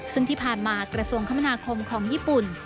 ซึ่งที่ผ่านมากระทรวงคมนาคมของญี่ปุ่น